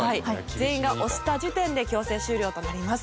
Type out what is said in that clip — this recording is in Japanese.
全員が押した時点で強制終了となります。